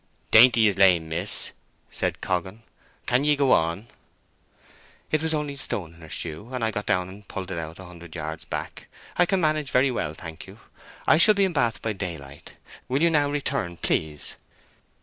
"Dainty is lame, miss," said Coggan. "Can ye go on?" "It was only a stone in her shoe. I got down and pulled it out a hundred yards back. I can manage very well, thank you. I shall be in Bath by daylight. Will you now return, please?"